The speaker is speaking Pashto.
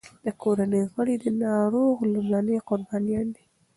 د کورنۍ غړي د ناروغ لومړني قربانیان دي.